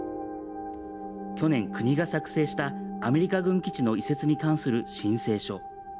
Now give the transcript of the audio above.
去年、国が作成したアメリカ軍基地の移設に関する申請書。